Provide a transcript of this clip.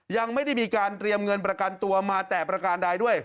ยังไม่ได้มีการเตรียมเงินประกันตัวมาแต่ประการใดด้วย